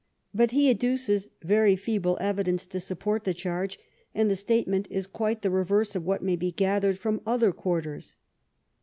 But he adduces very feeble evidence to support the charge, and the statement is quite the reverse of what may be gathered from other quarters.